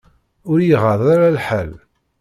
Ur y-iɣaḍ ara lḥal.